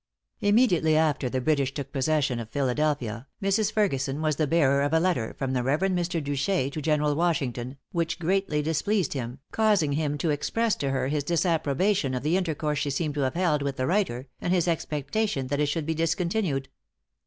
Immediately after the British took possession of Philadelphia, Mrs. Ferguson was the bearer of a letter from the Rev. Mr. Duché to General Washington, which greatly displeased him, causing him to express to her his disapprobation of the intercourse she seemed to have held with the writer, and his expectation that it should be discontinued.